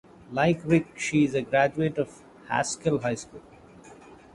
Like Rick, she is a graduate of Haskell High School.